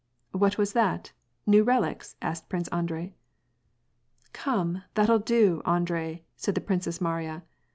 " What was that ? New relics ?" asked Prince Andrei. "Come, that'll do, Andrei," said the Princess Mariya.